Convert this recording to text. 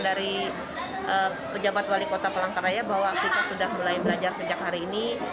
dari pejabat wali kota palangkaraya bahwa kita sudah mulai belajar sejak hari ini